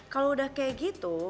kalau udah kayak gitu